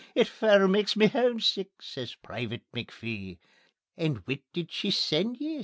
It fair maks me hamesick," says Private McPhee. "And whit did she send ye?"